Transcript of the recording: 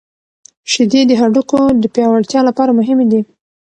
شیدې د هډوکو د پیاوړتیا لپاره مهمې دي.